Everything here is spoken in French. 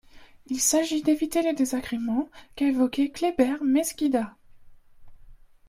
Il s’agit d’éviter les désagréments qu’a évoqués Kléber Mesquida.